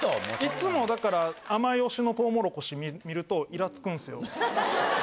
いっつもだから甘い推しのトウモロコシ見るとイラつくんすよ。